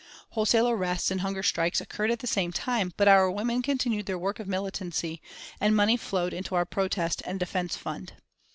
Wholesale arrests and hunger strikes occurred at the same time, but our women continued their work of militancy, and money flowed into our Protest and Defence Fund.